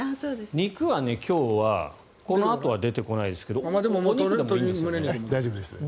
肉は今日はこのあとは出てこないですけどお肉でもいいんですよね。